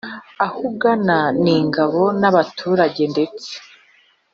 ahungana n'ingabo n'abaturage ndetse